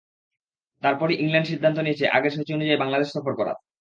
তার পরই ইংল্যান্ড সিদ্ধান্ত নিয়েছে আগের সূচি অনুযায়ী বাংলাদেশ সফর করার।